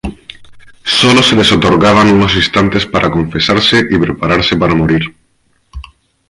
Sólo se les otorgaban unos instantes para confesarse y prepararse para morir.